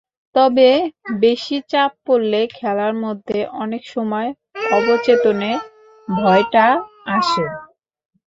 তবে বেশি চাপ পড়লে খেলার মধ্যে অনেক সময় অবচেতনে ভয়টা আসে।